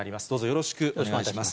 よろしくお願いします。